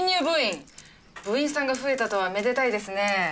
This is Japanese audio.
部員さんが増えたとはめでたいですね。